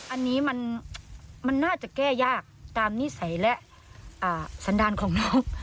อันนี้มันน่าจะแก้ยากตามนิสัยและสันดาลของน้อง